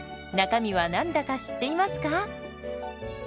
中身は何だか知っていますか？